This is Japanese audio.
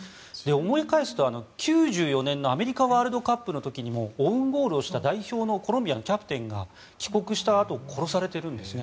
思い返すと、９４年のアメリカワールドカップの時にもオウンゴールをした代表のコロンビアのキャプテンが帰国したあと殺されているんですね。